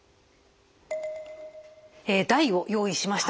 え台を用意しました。